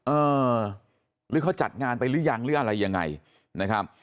เออหรือเขาจัดงานไปหรือยังหรืออะไรยังไงนะครับ